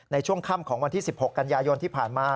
ในช่วงค่ำของวันที่๑๖กันยายนที่ผ่านมา